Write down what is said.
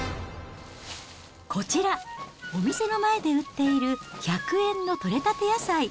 こちら、お店の前で売っている、１００円の取れたて野菜。